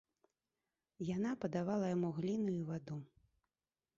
Яна падавала яму гліну і ваду.